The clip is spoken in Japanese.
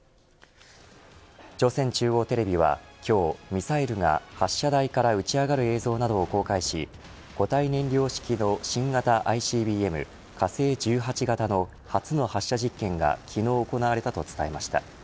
朝鮮中央テレビは今日ミサイルが発射台から打ち上がる映像などを公開し固体燃料式の新型ＩＣＢＭ火星１８型の初の発射実験が昨日行われたと伝えました。